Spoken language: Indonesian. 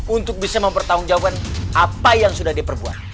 untuk bisa mempertanggungjawabkan apa yang sudah diperbuat